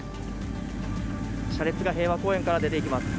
車列が平和公園から出ていきます。